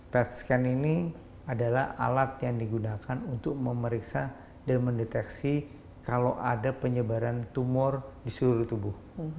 pet scan ini adalah alat yang digunakan untuk memeriksa dan mendeteksi kalau ada penyebaran tumor di seluruh tubuh